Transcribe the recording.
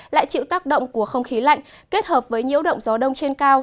lại chịu tác động của không khí lạnh kết hợp với nhiễu động gió đông trên cao